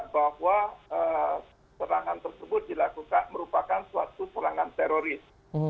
bahwa serangan tersebut dilakukan merupakan suatu serangan teroris